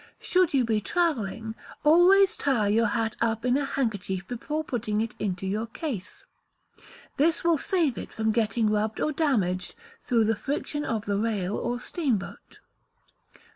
Should you be travelling, always tie your hat up in a handkerchief before putting it into your case; this will save it from getting rubbed or damaged through the friction of the rail or steamboat.